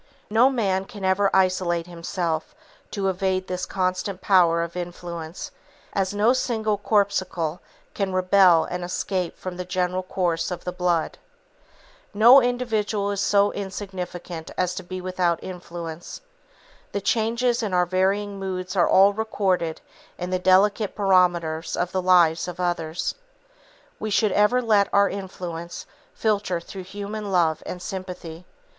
No man can ever isolate himself to evade this constant power of influence, as no single corpuscle can rebel and escape from the general course of the blood. No individual is so insignificant as to be without influence. The changes in our varying moods are all recorded in the delicate barometers of the lives of others. We should ever let our influence filter through human love and sympathy.